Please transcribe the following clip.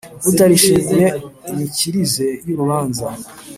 utarishimiye imikirize y' urubanza